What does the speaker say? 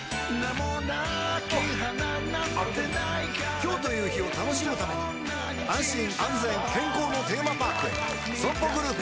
今日という日を楽しむために安心安全健康のテーマパークへＳＯＭＰＯグループ